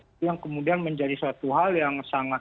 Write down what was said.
itu yang kemudian menjadi suatu hal yang sangat